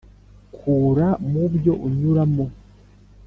kura mubyo unyuramo.